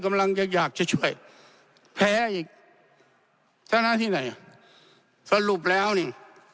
กำลังจะอยากจะช่วยแพ้อีกชนะที่ไหนอ่ะสรุปแล้วนี่